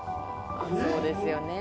そうですよね。